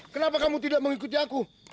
kenapa kamu tidak mengikuti aku